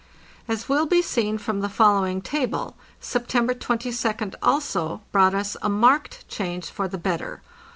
As will be seen from the following table, September 22d also brought us a marked change for the better.